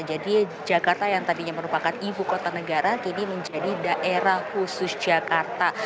jadi jakarta yang tadinya merupakan ibu kota negara kini menjadi daerah khusus jakarta